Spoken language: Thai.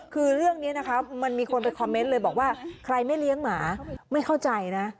คือเรื่องนี้นะคะมันมีคนไปคอมเมนต์เลยบอกว่าใครไม่เลี้ยงหมาไม่เข้าใจนะ